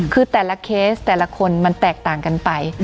คือแต่ละเคสแต่ละคนมันแตกต่างกันไป